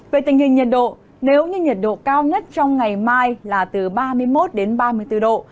về tình hình nhiệt độ nếu như nhiệt độ cao nhất trong ngày mai là từ ba mươi một đến ba mươi bốn độ